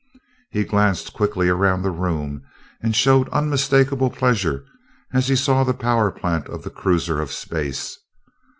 He glanced quickly around the room, and showed unmistakable pleasure as he saw the power plant of the cruiser of space.